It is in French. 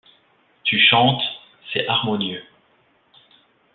Tu chantes, c’est harmonieux.